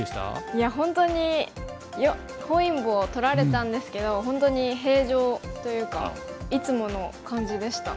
いや本当に本因坊取られたんですけど本当に平常というかいつもの感じでした。